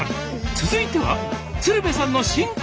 続いては鶴瓶さんの真骨頂。